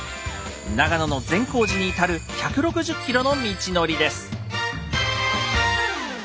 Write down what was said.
長野の善光寺に至る１６０ｋｍの道のりです。